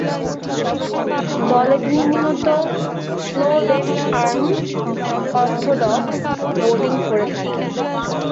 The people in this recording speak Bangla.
দলে তিনি মূলতঃ slow left arm orthodox bowling করে থাকেন।